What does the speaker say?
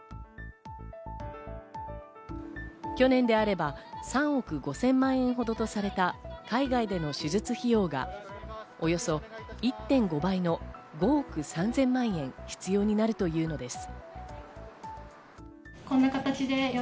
去年であれば３億５０００万円ほどとされた海外での手術費用がおよそ１．５倍の５億３０００万円必要になるというのです。